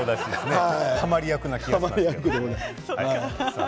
はまり役な気がします。